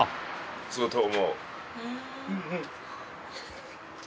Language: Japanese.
そうと思う。